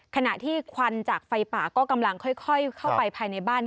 ขณะที่ควันจากไฟป่าก็กำลังค่อยเข้าไปภายในบ้าน